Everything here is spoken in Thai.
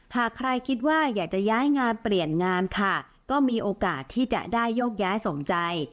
หากใครคิดว่าอยากจะย้ายงานเปลี่ยนงานค่ะก็มีโอกาสที่จะได้โยกย้ายสมใจ